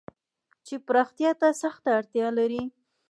چې پراختيا ته سخته اړتيا لري.